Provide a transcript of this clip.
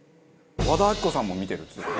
和田アキ子さんも見てるっつってた。